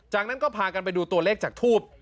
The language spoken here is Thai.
จากนั้นก็พากันไปดูตัวเลขจากทูบ